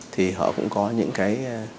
thì họ cũng có những cái